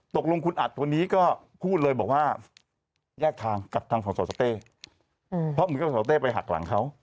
ตกลงคุณอัดคนนี้ก็พูดเลยบอกว่าแยกทางกับทางของสสเต้เพราะเหมือนกับสอเต้ไปหักหลังเขา